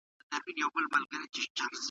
نور به یې شنې پاڼي سمسوري نه وي